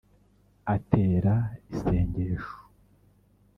Atera isengesho